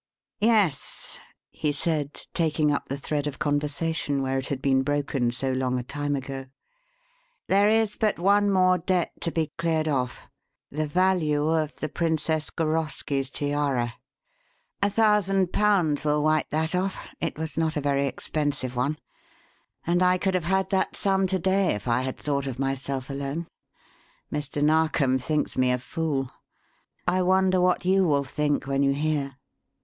"Yes," he said, taking up the thread of conversation where it had been broken so long a time ago, "there is but one more debt to be cleared off: the value of the Princess Goroski's tiara. A thousand pounds will wipe that off it was not a very expensive one and I could have had that sum to day if I had thought of myself alone. Mr. Narkom thinks me a fool. I wonder what you will think when you hear?"